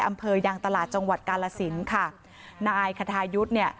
อำเภอยางตลาดจังหวัดกาลสินค่ะนายคทายุทธ์เนี่ย